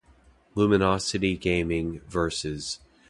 Luminosity Gaming vs.